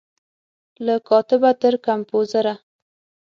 له کاتبه تر کمپوزره